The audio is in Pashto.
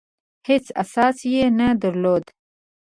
هېڅ اساس یې نه درلود.